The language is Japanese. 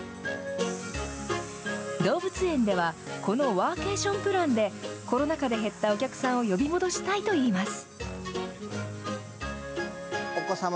動物園では、このワーケーションプランで、コロナ禍で減ったお客さんを呼び戻したいといいます。